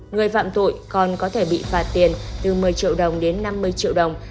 người phạm tội còn có thể bị phạt tiền từ một mươi triệu đồng đến năm mươi triệu đồng